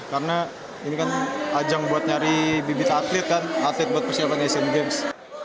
karena ini kan ajang buat nyari bibit atlet kan atlet buat persiapan asean games